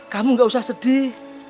kamu gak usah sedih